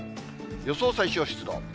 予想最小湿度。